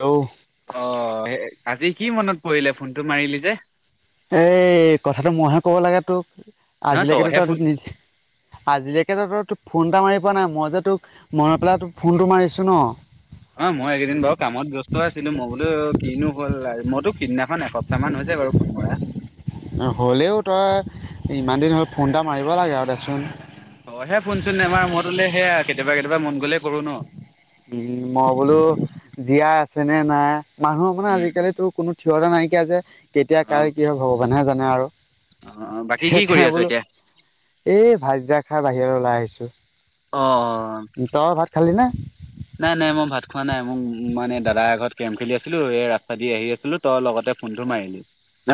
Hello অ আজি কি মনত পৰিলে ফোনটো মাৰিলি যে? এই কথাটো মইহে কব লাগে তোক। নহ আজিলেকেতো তইহে তইটো ফোন নিজে আজিলেকে ত ত তই ফোন এটা মাৰি পোৱা নাই। মই যে তোক মনত পেলাই তোক ফোন টো মাৰিছো ন। অ মই এইকেইদিন বাউ কামত ব্যস্ত আছিলো। মই বোলো কিনো হল? তোক সিদিনাখন এসপ্তাহ মান হৈছে বাৰু ফোন মাৰা। হ'লেও তই ইমান দিন হ'ল ফোন এটা মাৰিব লাগে আৱ দে উম। তই হে ফোনচোন নেমাৰ মই তোলে সেয়া কেতিয়াবা কেতিয়াবা মন গ'লে কৰো ন। উম মই বোলো জীয়াই আছে নে নাই? মানুহৰ মানে উম উম। আজি-কালি তোৰ কোনো ঠিক ঠিকনা নাইকিয়া যে। কেতিয়া অ কাৰ কি হয় ভগৱানহে জানে আৰু। অ বাকী কি কৰি সেইখনে আছ বোলো এতিয়া এই ভাই যাক খাই বাহিৰলে ওলাই আহিছো। অ তই ভাত খালি নে? নাই-নাই, মই ভাত খোৱা নাই। মোক মানে দাদাৰ এঘৰত কেৰম খেলি আছিলো। এই ৰাস্তা দি আহি আছিলো তও লগতে ফোনটো মাৰিলি।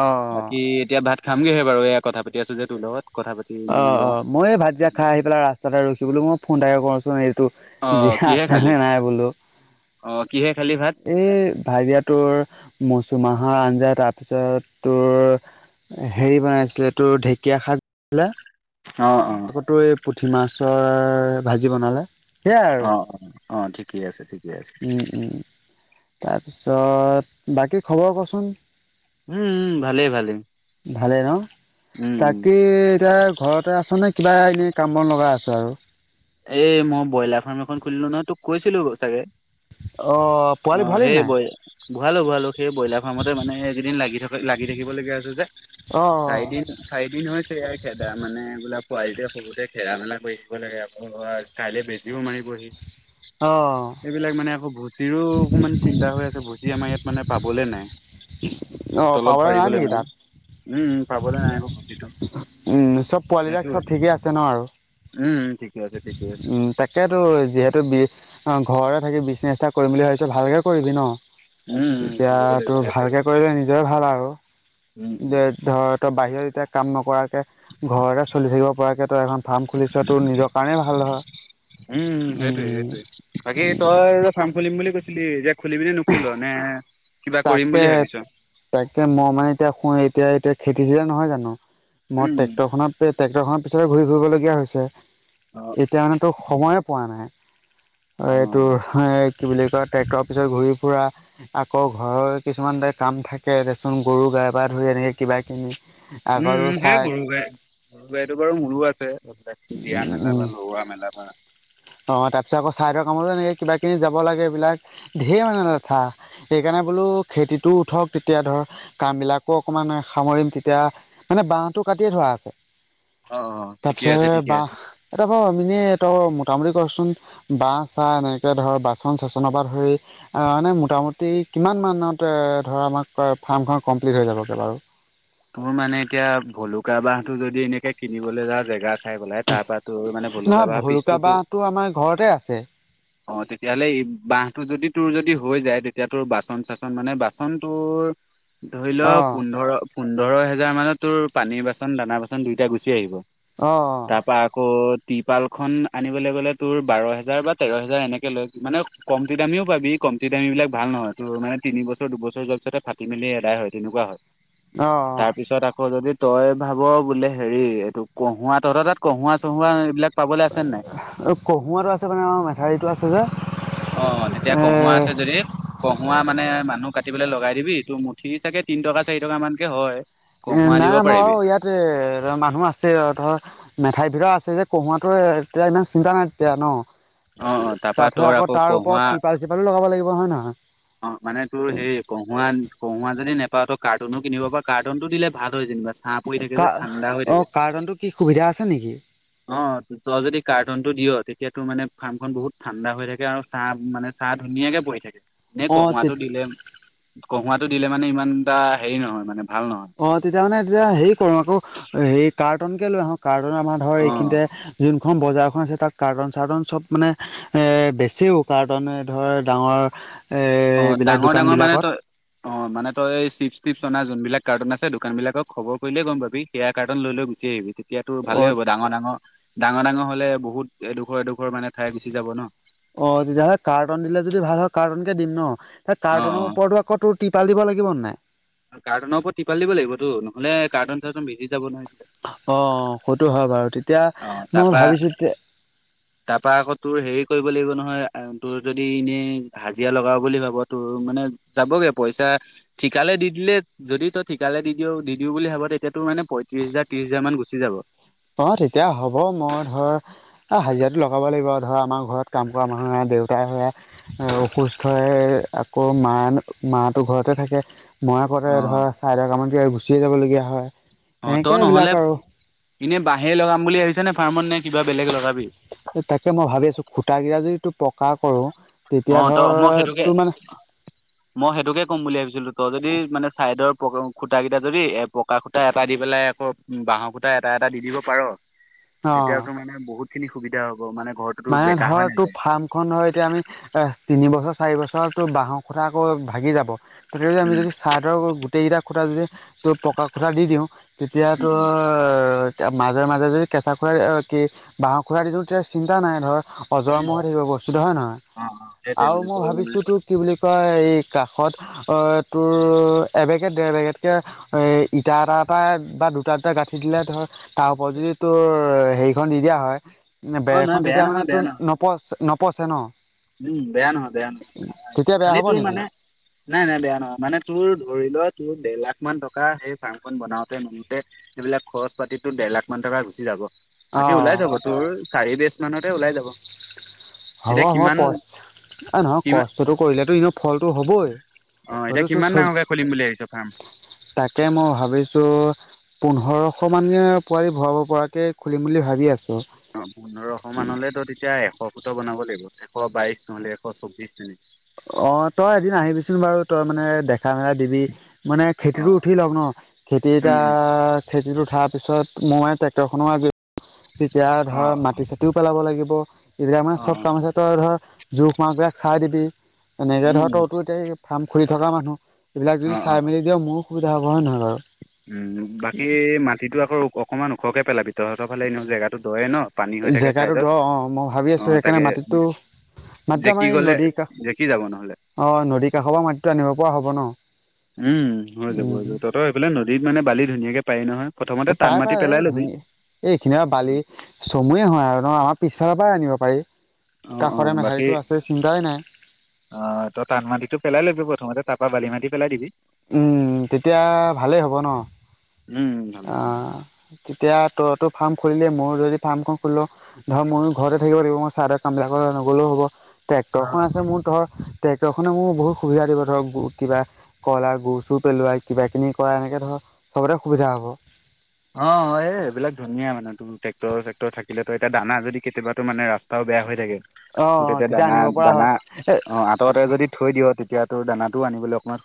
অ বাকী এতিয়া ভাত খামগেহে বাৰু এয়া কথা পাতি যে তোৰ লগত কথা পাতি অ মানে অ। লওঁ মই ভাত এতিয়া খাই আহি পেলাই ৰাস্তাতে ৰখিবলৈ মই ফোন এটাকে কৰোচোন। এইটো অ জিহা কিহে ইচ্ছা খালি হে নাই বোলো। অ কিহে খালি ভাত এই ভাজীয়া টোৰ মৌচুমা মাহৰ আঞ্জা তাৰপিছত তোৰ হেৰি বনাইছিলে তোৰ ঢেঁকীয়া শাক লা অ-অ। পুঠি মাছৰ ভাজি বনালে। সেয়াই আৰু অ-অ, অ ঠিকেই আছে, ঠিকেই আছে। উম উম তাৰপিছত বাকী খবৰ কচোন? উম- উম, ভালে- ভালে। ভালে ন তাকেই এতিয়া ঘৰতে আছ নে কিবা এনে কামবন লগাই আছ? [unintelligible] এই মই ব্ৰইলাৰ ফাৰ্ম এখন খুলিলো নহয় তোক কৈছিলো চাগে অহ অহ, সেই বই ভৰালো- ভৰালো সেই ব্ৰইলাৰ ফাৰ্মতে মানে এইকেইদিন লাগি থকা লাগি থাকিব লগীয়া হৈছে যে অ চাৰিদিন চাৰি দিন হৈছে ইয়াৰ খেদা মানে গোলাপ পোৱালিটোৱে বহুতে খেলা -মেলা কৈ থাকিব লাগে আকৌ কাইলৈ বেজিও মাৰিবহি। অ অ এইবিলাক মানে আকৌ ভূচ ভুজিও অকমান চিন্তা হৈ আছে ভুজি আমাৰ ইয়াত মানে পাবলে নাই। অ তলত পাবলৈ নাই পাৰিবলৈ নেকি মানে তাত উম পাবলৈ নাই ক ভূতিটো। উম চব পোৱালিবিলাক হেটো চব হৈছে। ঠিকে আছে ন আৰু উম ঠিক। উম, তাকেতো যিহেতু বি ঘৰতে থাকি বিচ চেষ্টা কৰিম বুলি ভাবিছ ভালকে কৰিবি ন? উম উম এতিয়া কৰিব লাগিব তোৰ সেইটোৱে ভালকে কৰিলে নিজে ভাল আৰু। উম যে উম ধৰ তই বাহিৰত এতিয়া কাম নকৰাকে ঘৰতে চলি থাকিব পৰাকে তই এখন ফাৰ্ম খুলিছ তোৰ নিজৰ কাৰণেই ভাল ধৰ। উম, সেইটোয়ে -সেইটোয়ে বাকী তই ফাৰ্ম খুলিম বুলি কৈছে যে খোলিবি নে নুখোল? নে কিবা কৰিম তাকে বুলি ভাবিছ -তাকে মই মানে এতিয়া শুয়ে এতিয়া- এতিয়া খেতি চিজেন নহয় জানো? মোৰ উম ট্ৰেক্টৰ খনতে ট্ৰেক্টৰ খনৰ পিছতে ঘূৰি ফুৰিবলগীয়া হৈছে। অ এতিয়া মানে তো সময়ে পোৱা নাই। অ এইটোৰ কি বুলি কয় ট্ৰেক্টৰ পিছত ঘূৰি ফুৰা। আক আকৌ ঘৰৰ কিছুমান এ কাম থাকে দেচোন গৰু গাই পা ধৰি এনেকে কিবা - কিবি উম -উম হে গৰু গাই, গৰু গাইটো বাৰু মোৰো আছে। দিয়া মেলা বা লগোৱা মেলা বা। কামলে এনেকে কিবা কিনি যাব লাগে এইবিলাক ধেৰ মানে লেঠা। সেইকাৰণে বোলো খেতিটো উঠক তেতিয়া ধৰ কাম বিলাকো অকমান সামৰিম তেতিয়া মানে বাহটো কাটিয়ে থোৱা আছে। অহ - অহ পিছে বাহ এটা ব আমিনে ত মোটামুটি কচোন বাহ- চাহ এনেকে ধৰ বাচন চাচন পা ধৰি আহ মানে মোটামুটি কিমান মানতে ধৰা আমাক ফাৰ্মখন কমপ্লিট হৈ যাবগে বাৰু? তোৰ মানে এতিয়া ভলুকা বাহটো যদি এনেকে কিনিবলৈ জাৱ জেগা আছে চাই পেলাই তাৰ পৰা তোৰ মানে ভলুকা নহয় বাঁহ পিছটোতো বাঁহটো আমাৰ ঘৰতে আছে অহ, তেতিয়াহ'লে ই বাহটো যদি তোৰ যদি হৈ যায়, তেতিয়াতোৰ বাচন -চাচন মানে বাচন তোৰ ধৰি ল অ পোন্ধৰ পোন্ধৰ হেজাৰ মানত তোৰ পানীৰ বাচন, দানা -বাচন দুইটা গুচি আহিব। অ তাৰপা আকৌ টিৰপাল খন আনিবলৈ গ'লে তোৰ বাৰ হেজাৰ বা তেৰ হেজাৰ এনেকে লৈ মানে কমতী দামীও পাবি কমতি দামী বিলাক ভাল নহয় তোৰ মানে তিনি বছৰ দুবছৰ যোৱা পিছতে ফাটি মেলি এদাই হয়, তেনেকুৱা হয়। অ তাৰপিছত আকৌ যদি তই ভাব বোলে হেৰি এইটো কঁহুৱা তহত তাত কহুৱো চহোৱা এইবিলাক পাবলৈ আছে নে নাই? কহুৱাত আছে মানে অ'মেথাৰীটো আছে যে অহ, তেতিয়া এ কহুৱা আছে যদি কহুৱা মানে- মানে মানুহ কাটিবলে লগাই দিবি টোৰ মুঠি চাগে তিন টকা চাৰি টকা মানকে হয়। কহুৱা এ'নাই দিব আমাৰ বাও পাৰিবি ইয়াত এ'মানুহ আছে ধৰ মেঠাই ভেটা আছে যে কহুৱাটোৱে তেতিয়া ইমান চিন্তা নাই তেতিয়া ন',। অ অ তাৰপা তাৰ পিছত আকৌ তাৰ ওপৰত টিৰপাল চিৰপালো লগাব লাগিব। হয় নহয় অহ, মানে তোৰ হেৰি কহুৱা -কহুৱা যদি নেপাও তোক কাৰ্টুনো কিনিব পা। কাৰ্টনটো দিলে ভাল হয় যেনিবা চা পৰি থাকে কা যে, ঠাণ্ডা হৈ অ থাকে। কাৰ্টনটো কি সুবিধা আছে নেকি? অ তই যদি কাৰ্টনটো দিয় তেতিয়াটো মানে ফাৰ্মখন বহুত ঠাণ্ডা হৈ থাকে আৰু চা মানে চাটো ধুনীয়াকে পৰি থাকে। নে অ তে কহুৱাটো দিলে কহুৱাটো দিলে মানে ইমান টা হেৰি নহয় মানে। ভাল নহয় অ তেতিয়া মানে যেতিয়া হেৰি কৰো আকৌ হেৰি কাৰ্টন কে লৈ আহো কাৰ্টন আমাৰ ধৰ অ এইখিনিতে যোন খন বজাৰখন আছে তাত কাৰ্টন চাৰ্টন চব মানে এ বেচিও কাৰ্টনে ধৰ ডাঙৰ এ অ এইবিলাক ডাঙৰ ডাঙৰ মানে দোকানবিলাকত তই অ মানে তই এই চিপছ তিপছ অনা যোনবিলাক কাৰ্টন আছে দোকান বিলাকক খবৰ কৰিলে গম পাবি। কেয়া কাৰ্টন লৈ লৈ গুচি আহিবি। এতিয়াতো অ ভালেই হব ডাঙ ডাঙ। ডাঙ ডাঙ হলে বহুত এডোখৰ এডোখৰ মানে। ঠাই গুচি যাব ন অ তেতিয়াহ'লে কাৰ্টন দিলে যদি ভাল হয় কাৰ্টন কে দিম ন। ত অ কাৰ্টনৰ ওপৰতো আকৌ তোৰ টিপাল দিব লাগিব নাই? কাৰ্টুনৰ ওপৰত তিপাল দিব লাগিবটো নহ'লে কাৰ্টুন [unintelligible] ভিজি যাব নহয়। অ সইটো হয় বাৰু তেতিয়া অ মও তাৰপা ভাবিছো তে তাৰপা আকৌ তোৰ হেৰি কৰিব লাগিব নহয় আহ তোৰ যদি এনেই হাজিৰা লগাও বুলি ভাব তোৰ মানে যাবগে পইচা ঠিকালে দি দিলে যদি তই ঠিকালে দি দি দি দিও বুলি ভাব তেতিয়া। ত মানে পঁয়ত্ৰশ হাজাৰ ত্ৰিছ হাজাৰ মান গুচি যাব। অ তেতিয়া হ'ব মই ধৰ হাজিৰাটো লগাব লাগিব ধৰা আমাৰ ঘৰত কাম কৰা মানুহ নাই। দেউতাই সেয়া অসুস্থ হৈ আকৌ মা মা তো ঘৰতে থাকে। মই আগতে অ ধৰা চাইদ কামাতে গুচিয়ে যাব লগীয়া হয় অ তই এনেকে নহ'লে এইবিলাক আৰু। এনে বাঁহে লগাম বুলি ভাবিছ নে ফাৰ্মত নে কিবা বেলেগ লগাবি। তাকে মই ভাবি আছো খুটা কিতা যদি তোৰ পকা কৰো। অ ত মই সেইটোকে মই সেইটোকে ক'ম বুলি ভাবিছিলো ত যদি মানে চাইডৰ খুটা কেইটা যদি এ পকা খুটা এটা দি পেলাই আকৌ বাঁহৰ খুটা এটা এটা দি দিব পাৰ। অ তেতিয়াতো মানে বহুত খিনি সুবিধা হ'ব মানে। ঘৰটোতো মানে বেকা হৈ ধৰ তোৰ নাযায় ফাৰ্ম খনৰ এতিয়া আমি। এ তিনিবছৰ চাৰি বছৰ তো বাঁহৰ কথা আকৌ ভাগি যাব। তথাপিও আমি যদি ছাইডৰ গোটেইকেইটা খুটা যদি ত পকা খুটা দি দিওঁ তেতিয়াতো উম মাজে মাজে যদি কেঁচা খুৰা দি কি বাঁহৰ খুৰাই দিলো তেতিয়া চিন্তা নাই ধৰক। অজৰ অ অমৰ হৈ থাকিব বস্তুটো হয় নহয় অ সেইটোৱে আৰু মানে মই তোৰ মানে ভাবিছো তোক কি বুলি কয় এই কাষত অ তোৰ এবেগে দেৰ বেগতকে ইটা এটা এটা বা দুটা দুটা গাঁঠি দিলে ধৰ তাৰ ওপৰত যদি তোৰ হেৰিখন দি দিয়া হয়। অ বেৰ এখন নহয় বেয়া তেতিয়া মানে নহয় বেয়া তোৰ নহয় নপচ নপচে ন। উম বেয়া নহয় বেয়া নহয়। তেতিয়া বেয়া খালি হ'ব তোৰ নেকি? মানে নাই নাই বেয়া নহয় মানে তোৰ ধৰি লোৱা তোৰ। দেৰ লাখ মান টকা সেই ফাৰ্ম খন বনাওতে মনতে সেইবিলাক খৰচ পাতি দেৰ লাখ মান টকা গুচি যাব। অ বাকী ওলাই যাব তোৰ চাৰি বিজ মানতে ওলাই যাব এতিয়া। কিমান কষ্ট এই নহয় কিমান কষ্টটো কৰিলে ইনেও ফলটো হ'বই। অ এতিয়া হয়তো চো কিমান চব ডাঙৰকে খুলিম বুলি ভাবিছ ফাৰ্ম তাকে মই ভাবিছো। পোন্ধৰশ মান পোৱালি ভৰাব পৰাকে খুলিম বুলি ভাবি আছো। অ পোন্ধৰশ মানলে তো তেতিয়া এশ ফুট বনাব লাগিব। এশ বাইশ নহ'লে এশ চৌবিশ তেনে। অ তই এদিন আহিবিচোন বাৰু তই মানে দেখ মেল দিবি মানে অ খেতিতো অ উঠি লওক ন খেতি উম এতিয়া উম খেতিতো তাৰ পিছত মই ট্ৰেক্টৰ খনো আজি তেতিয়া অ অ ধৰ মাটি চিতিও পেলাব লাগিব। তেতিয়া মানে অ চব কাম আছে তই ধৰ জোখ মাকবিলাক চাই দিবি এনেকে উম ধৰ উম তইতো ফাৰ্ম। ঘূৰি থকা মানুহ এইবিলাক অ যদি অ চাই মেলি দিয় মোৰো সুবিধা হ'ব হয় নহয় বাৰু। উম বাকী মাটিতো আকৌ অকনমান ওখকে পেলাব ভিতৰহতৰ ফালে এনেও জেগাতো দয়ে ন। পানী হৈ থাকে জেগাটো দ চাইডত অ মই ভাবি আছো অ সেইকাৰণে তাকে মাটিতো। মাত্ৰ জেকি আমাৰ এই গ'লে নদীৰ জেকি যাব নহ'লে। কাষ অ নদীৰ কাষৰ পৰা মাতো আনিব পৰা হব ন। উম হৈ যাব উম য তহতই সফলে নদীত মানে বালি ধুনীয়াকে পাৰি নহয়। [unintelligible] প্ৰথমতে পাই টান পাই মাটি এই পেলাই লবি। ধুনীয়া এইখিনি বালি চমুৱে হয় আৰু ন আমাৰ পিছফালৰ পৰাই আনিব পাৰি। অ অ কাষৰে বাকী মেঠাৰিটো আছে চিন্তাই নাই আহ তই টান মাটিটো পেলাই ল'বি প্ৰথমতে ত। ক বালি মাটি পেলাই দিবি। উম তেতিয়া ভালেই হ'ব ন। উম আহ তেতিয়া তইতো ফাৰ্ম খুলিলে ময়ো যদি ফাৰ্ম খুলল ধৰ ময়ো ঘৰতে থাকিব লাগিব মই চাহৰ কামবিলাক। [unintelligible] নগ'লেও হ'ব ট্ৰেক্টৰ খন অ', আছে মোৰ ধৰ। ট্ৰেক্টৰখনে মোৰ বহুত সুবিধা দিব ধৰক কিবা কইলাৰ গুৰ চুৰ পেলোৱাই কিবা কিনি কৰা এনেকৈ ধৰক। চবতে সুবিধা হব। ট্ৰেক্ট্ৰৰ চেক্ট্ৰৰ থাকিলে এয়া দানা যদি কেতিবাতো মানে ৰাস্তাও বয়া হৈ থাকে। অ [unintelligible] ত তেতিয়া দানা আনিব পৰা দানা হয় এ অ আঁতৰতে যদি থৈ দিয় তেতিয়া তো দানাত। টো আনিবলে অকমান।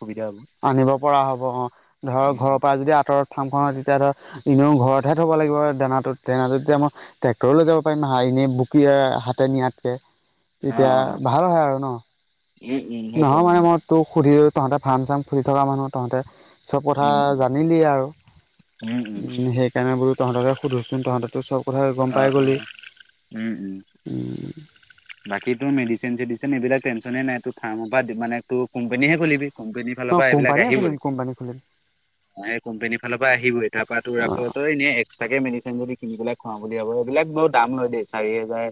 আনিব পৰা হ'ব অ ধৰ ঘৰৰ পৰা যদি আঁতৰত ফাম। তেতিয়া ধৰ এনেও ঘৰতহে থ'ব লাগিব দানাটোত দানাটো তেতিয়া মই ট্ৰেক্টৰ লৈ যাব পাৰিম নহা এনেই। বকি হাতে নিয়াতকে অ', তেতিয়া অ', ভাল হয় আৰু ন। [unintelligible] উম উম সেইটোৱে [unintelligible] সুধি তহঁতে ফাৰ্ম চাৰ্ম খুলি থকা মানুহ তহঁতে। চব কথা উম, জানিলে আৰু উম, উম, উম, উ সেইকাৰণে বোলু। [unintelligible] তহঁতক সোধোচোন তহঁতে চব। [unintelligible] কথা গম অ', পাই গ'লি। অ', উম, উম। বাকী তো মেডিচিন চেডিচিন এইবিলাক টেনচনে নাই ত ফাৰ্মৰ পৰা মানে টো। কোম্পানীহে খোলিবি কোম্পানীৰ ফালৰ অ পৰা এইবিলাক কোম্পানীয়ে আহিবই। খুলিম কোম্পানী খুলিম [unintelligible] এ কোম্পানীৰ ফালৰ পৰা আহিব ই তাৰ পৰা তোৰ আকৌ তই এনে এক্সট্ৰাকে মেদেচিন যদি। কিনি পেলাক খুৱাম বুলি ভাব এইবিলাক বৰ দাম লয় দেই চাৰি হোজাৰ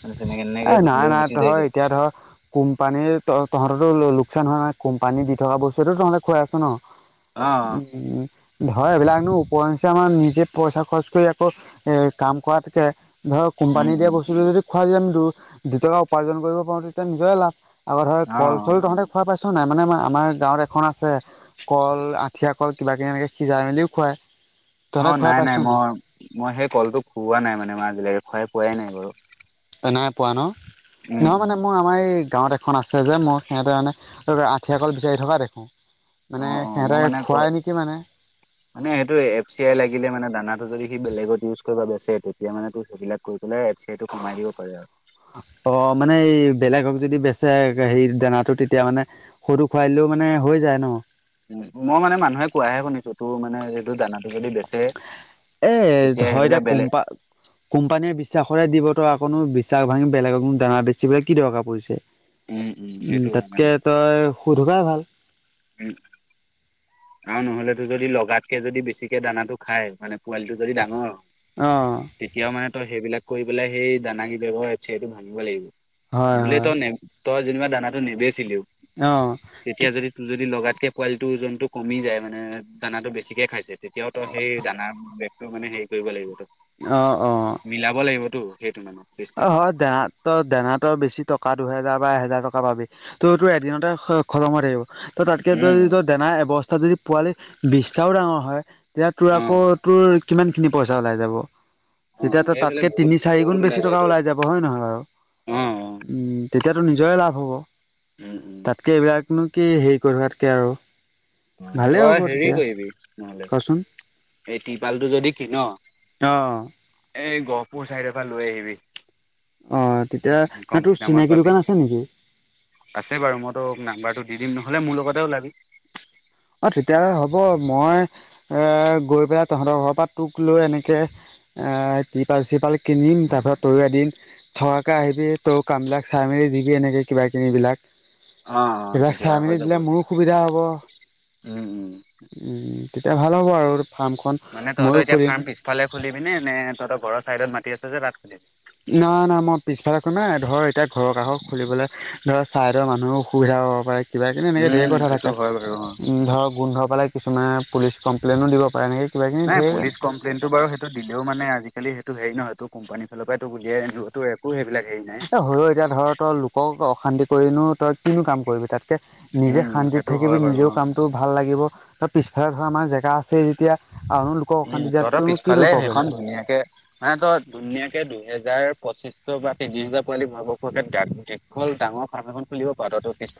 মানে তেনেকে। [unintelligible] এ নাই লৈ নাই গুচি তহৰ যায়গৈ এতিয়া ধৰ কোম্পানীৰ ত তহঁতো। [unintelligible] লোকচান হয় নে কোম পানী দি থকা বস্তুটো তহলে খুৱাই আছ ন উ। অ [unintelligible] ধৰা এইবিলাকনো ওপৰ নিচ আমাৰ নিজে পইচা খৰচ কৰি আকৌ এ কাম কৰাতকে [unintelligible] ধৰ কোম্পানী উম দিয়ে উম বস্তু। খাই যদি আমি দু দুইটকা উপাৰ্জন কৰিব পাৰো তেতিয়া নিজৰে লাভ আগৰ ধৰ অ কল অ চল তহঁতে খোৱাই পাইছ। [unintelligible] নাই মানে আমাৰ গাঁৱত এখন আছে কল আঠিয়া কল কিবা কিবি এনেকে সিজাই মেলিও খুৱাই। [unintelligible] অ খুৱাই নাই পাইছ নাই মই মই সেই কলটো খুওৱা নাই মানে মই আজিলৈকে খোৱাই পোৱাই নাই বাৰু। নাই পোৱা ন উম নহ উম মানে মোৰ আমাৰ এই গাঁৱত এখন আছে যে মোৰ সিহঁতে মানে। ত আঠিয়া কল বিচাৰি থকা দেখো। অ অ মই মানে ক মানে সেইটো এফ চি আই লাগিলে মানে দানাটো যদি। [unintelligible] স বেলেগত ইউজ কৰিব বেচে তেতিয়া মানে তোৰ সেইবিলাক কৰি। লাইছে সটো কমাই দিব পাৰে আৰু। [unintelligible] বেলেগ হক যদি বেচে হেৰি দানাটো তেতিয়া মানে সৰু খুৱাইলেও মানে হৈ যায় ন। [unintelligible] উ মই মানে মানুহে কোৱাহে শুনিছো তোৰ মানে সটো দানা। [unintelligible] এ আহি হয় এতিয়া পেলাই বেলেগ কোম্পা কোম্পানীয়ে বিশ্বাসৰে দিব। তকনো বিশ্বাস ভাঙি বেলেগকো দানা বেছি বলে কি দৰকাৰ পৰিছে। উম, [unintelligible] উম সেইটো হয় তাতকে তই সুধবাই ভাল। [unintelligible] উ আৰু নহলে তো যদি লগ। তাতকে যদি বেছিকে দানাটো খাই মানে পোৱালিটো যদি ডাঙৰ অ তেতিয়াও মানে তই সেইবিলাক। [unintelligible] কৰি পেলাই সেই দানা ক বাৰছে সেইটো ভাঙিব লাগিব হয় বোলে হয় তই ন। [unintelligible] তই যেনিবা দানাটো নেবেছিলিও। অহ যদি লগাতকৈ কোৱালিটো ওজনটো কমি যায় মানে দানাটো বেছিকৈ খাইছে তেতিয়াওতো সেই দানা। ত মানে হেৰি কৰিব লাগিব তো। অ অ। তটো সেইটো মানে অ চিষ্টেমটো। হয় দানাত ত দানাতৰ বেছি টকা দুহেজাৰ বা এহেজাৰ টকা পাবি ত'টো এদিনতে খজমত থাকিব ত তাতকে উম, যদি দনাএবস্থা। যদি পোৱালি বিশটা ডাঙৰ হয় তেতিয়া তোৰ আকৌ অ', তোৰ কিমান খিনি পইচা ওলাই যাব অ', তেতিয়া সেইফালে তাতকে বহুত তিনি চাৰি গুণ বহুত বেছি। টকা যায়তো। ওলাই যাব হয় নহয় বাৰু অ উম তেতিয়াতো নিজৰে লাভ হ'ব। উম উম তাতকে এইবিলাকনো কি হেৰি কৰি থকাতকে আৰু। অ ভালেই হ'ব তই হেৰি তেতিয়া কৰিবি নহ'লে। কচোন এই তিপালটো যদি কিন অ এই গহ। পোৰ চাইড পৰা লৈ আহিবি। অ তেতিয়া ন কমটি তোৰ দামত চিনাকি পাবি দোকান আছে নেকি। আছে বাৰু মইতো নাম্বাৰটো দি দিম নহলে মোৰ লগতে ওলাবি। অ তেতিয়াহলে হ'ব মই। এ গৈ পেলাই তহঁতৰ ঘৰৰ পৰা তোক লৈ এনেকে এ টিপাল চিপাল কিনি ম তাৰপাত তই এদিন থকাকে আহিবি তোৰ কাম বিলাক চাই মেলি দিবি এনেকে কিবা কিনিবিলাক অ অ এইবিলাক তেতিয়া চাই হৈ মেলি যাব দিলে মোৰো সুবিধা হ'ব। উম উম উম তেতিয়া ভাল হ'ব আৰু ফাৰ্মখন মানে ময়ো তহতৰ এতিয়া খুলিম ফাৰ্ম পিছফালে খুলিবি নে নে তহঁতৰ ঘৰৰ চাইডত মাতি আছে যে তাত খুলিবি না না মই পিছফালে একো নাই ধৰ এতিয়া ঘৰৰ কাষৰ খুলিবলৈ ধৰ চাইদৰ মানুহ সুবিধা। পাৰে কিবা কিবি এনেকে ধেৰ উম কথা সেইটো থাকে হয় বাৰু অ উ ধৰক গোন্ধ পালে। কিছুমান পুলিচ কমপ্লেইনো দিব পাৰে নেকি। নাই পুলিচ কমপ্লেইনটো বাৰু সেইটো দিলেও মানে আজিকালি সেইটো। হে নহয় কোম্পানীৰ ফালৰ পৰা তো বুলিয়ে তো একো সেইবিলাক। হেৰি নাই এ হয়ও এতিয়া ধৰ তই লোকক অশান্তি কৰিনো তই কিনো কাম কৰিবি তাতকে নিজে উম শান্তি। সেইটো হয় থাকিবি বাৰু নিজেও অ কামটো ভাল লাগিব ধৰ পিছফালে ধৰ আমাৰ জেগা আছে যেতিয়া। আৰুনো লোকক উম অশান্তি তহতৰ দিয়াতোনো কিনো পিছফালে প্ৰব্লেমটো সেইখন ধুনীয়াকে মানে ধুনীয়াকে দুহেজাৰ পঁচিছ। পৰা তিনি হাজাৰ পোৱালি ভৰাব পৰা কে দিঘল ডাৰ ফাৰ্ম এখন খুলিব পাৰ তহতৰ পিছ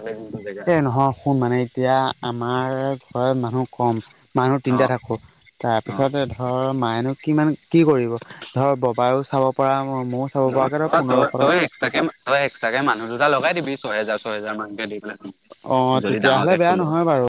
এ নহয় শুন মানে এতিয়া আমাৰ ঘৰত মানুহ কম। মানুহ তিনিটা অ', থাকোঁ অ'। তাৰপিছতে ধৰ মায়েনো কিমান কি কৰিব ধৰ ববায়ো চাব। পৰা ময়ো চাব পৰাকৈ ধৰ পোন্ধৰশ তই টকা তই এক্সট্ৰাকে তই এক্সট্ৰাকে মানুহ দুটা লগাই দিবি ছয় হেজাৰ। ছয় হেজাৰ মানকে দি পেলাই অঁ যদি তেতিয়াহ'লে ডাঙৰকে বেয়া খুলো। নহয় বাৰু